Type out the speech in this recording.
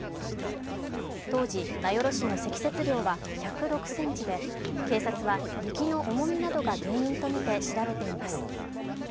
当時、名寄市の積雪量は１０６ｃｍで警察は、雪の重みなどが原因とみて調べています。